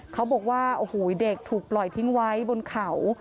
เขาบอกว่าโอ้โหเด็กถูกปล่อยทิ้งไว้บนเขา